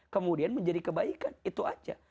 kemudian menjadi kebaikan itu aja